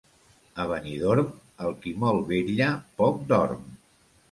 A Benidorm, el qui molt vetlla, poc dorm.